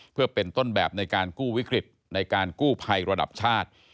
เพื่อเป็นต้นแบบในการกู้วิกฤตในการกู้ภัยระดับชาติ